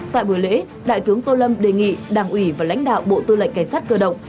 tại buổi lễ đại tướng tô lâm đề nghị đảng ủy và lãnh đạo bộ tư lệnh cảnh sát cơ động